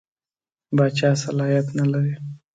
پاچا صلاحیت نه لري.